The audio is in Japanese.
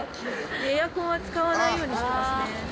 エアコンは使わないようにしてますね。